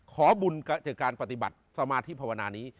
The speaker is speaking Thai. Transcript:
ขอบุญจากการปฏิบัติสมาธิภาวนานี้